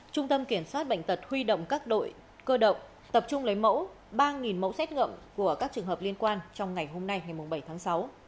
trung tâm kiểm soát bệnh tật huy động các đội cơ động tập trung lấy mẫu ba mẫu xét nghiệm của các trường hợp liên quan trong ngày hôm nay ngày bảy tháng sáu